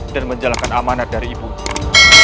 dan menjalankan amanah dari ibunya